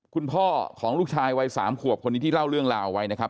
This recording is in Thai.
คุณพ่อของลูกชายวัย๓ขวบคนนี้ที่เล่าเรื่องราวเอาไว้นะครับ